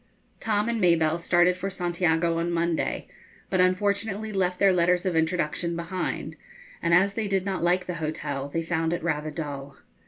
Tom and Mabelle started for Santiago on Monday, but unfortunately left their letters of introduction behind; and as they did not like the hotel, they found it rather dull.